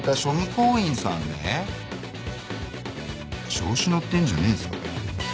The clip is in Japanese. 調子のってんじゃねえぞ。